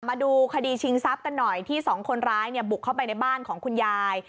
มาดูคดีชิงทรัพย์กันหน่อยที่สองคนร้ายเนี่ยบุกเข้าไปในบ้านของคุณยาย